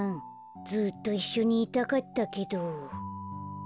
ずっといっしょにいたかったけど。